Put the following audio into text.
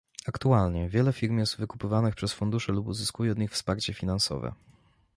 Aktualnie wiele firm jest wykupywanych przez fundusze lub uzyskuje od nich wsparcie finansowe